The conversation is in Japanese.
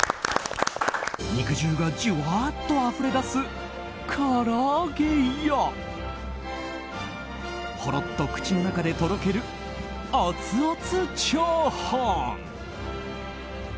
肉汁がジュワッとあふれ出す唐揚げやほろっと口の中でとろけるアツアツチャーハン。